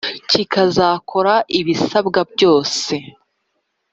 kikazakora ibisabwa byose